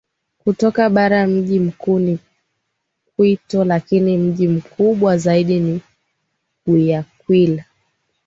kutoka baraMji mkuu ni Quito lakini mji mkubwa zaidi ni Guayaquil